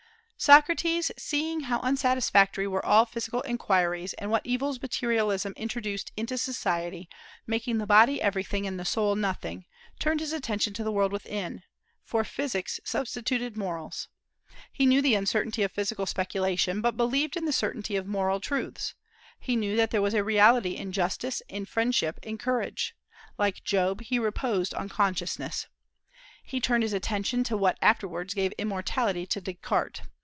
Socrates, seeing how unsatisfactory were all physical inquiries, and what evils materialism introduced into society, making the body everything and the soul nothing, turned his attention to the world within, and "for physics substituted morals." He knew the uncertainty of physical speculation, but believed in the certainty of moral truths. He knew that there was a reality in justice, in friendship, in courage. Like Job, he reposed on consciousness. He turned his attention to what afterwards gave immortality to Descartes.